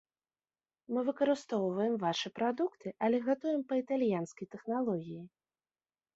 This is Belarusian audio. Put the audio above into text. Мы выкарыстоўваем вашы прадукты, але гатуем па італьянскай тэхналогіі.